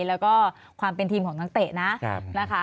แล้วก็ความเป็นทีมของนักเตะนะนะคะ